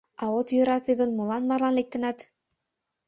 А от йӧрате гын, молан марлан лектынат?